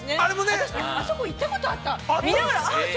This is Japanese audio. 私、あそこに行ったことありました。